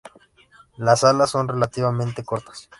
Las alas son relativamente cortas.